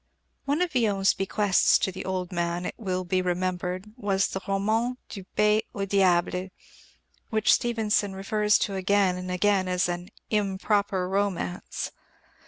One of Villon's bequests to the old man, it will be remembered, was the Rommant du Pet au Diable, which Stevenson refers to again and again as an "improper romance."